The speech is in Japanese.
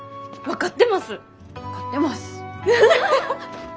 分かってます。